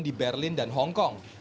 di berlin dan hong kong